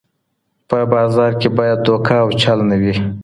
په بازار کي بايد دوکه او چل نه وي.